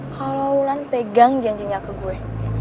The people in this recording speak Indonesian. kalo lan pegang janjinya ke gue